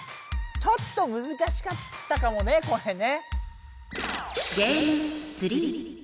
ちょっとむずかしかったかもねこれね。